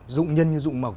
dụng nhân như dụng mộc